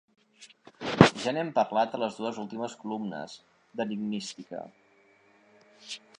Ja n'hem parlat a les dues últimes columnes d'enigmística.